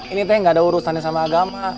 ini teh gak ada urusannya sama agama